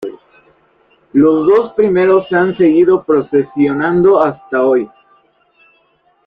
Los dos primeros se han seguido procesionando hasta hoy.